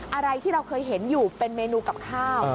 อะไรที่เราเคยเห็นอยู่เป็นเมนูกับข้าว